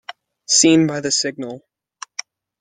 seen by the signal.